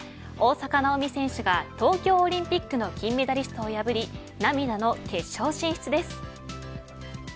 大坂なおみ選手が東京オリンピックの金メダリストを破り涙の決勝進出です。